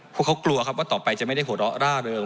พวกเขากลัวครับว่าต่อไปจะไม่ได้หัวเราะร่าเริง